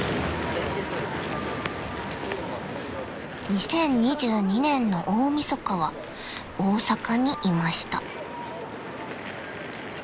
［２０２２年の大晦日は大阪にいました］